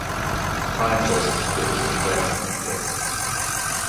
Tyre choice was split between wets and slicks.